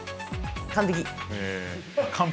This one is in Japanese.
完璧。